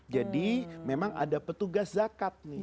jadi memang ada petugas zakat